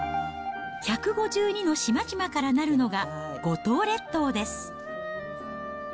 １５２の島々からなるのが、五島列島です。